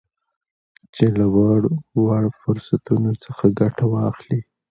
چې چې له وړ وړ فرصتونو څخه ګته واخلي